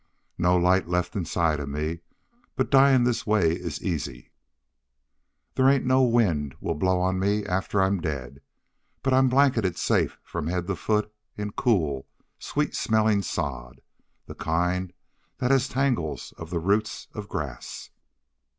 "No light left inside of me, but dyin' this way is easy. There ain't no wind will blow on me after I'm dead, but I'll be blanketed safe from head to foot in cool, sweet smellin' sod the kind that has tangles of the roots of grass.